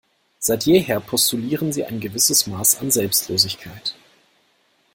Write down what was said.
Seit jeher postulieren sie ein gewisses Maß an Selbstlosigkeit.